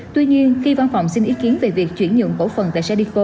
tuy nhiên khi văn phòng xin ý kiến về việc chuyển nhượng cổ phần tại serdifo